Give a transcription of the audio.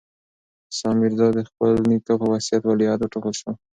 سام میرزا د خپل نیکه په وصیت ولیعهد وټاکل شو.